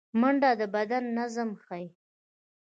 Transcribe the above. منډه د بدني نظم ښيي